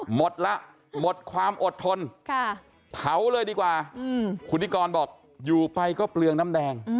หมดแล้วหมดความอดทนเผาเลยดีกว่าคุณนิกรบอกอยู่ไปก็เปลืองน้ำแดง